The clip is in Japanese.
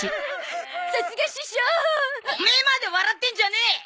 オメエまで笑ってんじゃねえ！